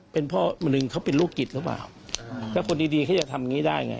เพื่อที่จะทำอย่างนี้ได้ไง